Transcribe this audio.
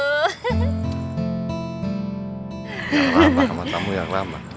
yang lama sama tamu yang lama